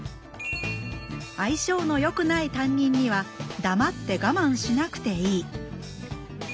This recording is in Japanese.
相性のよくない担任には黙ってガマンしなくていい。